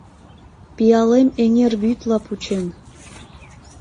Пиалем эҥер вӱдла пучен.